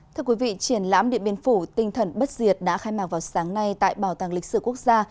thưa quý vị triển lãm điện biên phủ tinh thần bất diệt đã khai mạc vào sáng nay tại bảo tàng lịch sử quốc gia